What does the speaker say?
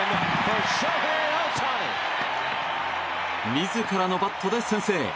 自らのバットで先制。